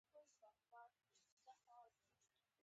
تندر د بادلونو د ټکر له امله جوړېږي.